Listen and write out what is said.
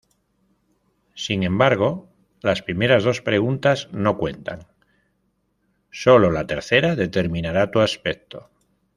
Sin embargo, las primeras dos preguntas no cuentan, sólo la tercera determinará tu aspecto.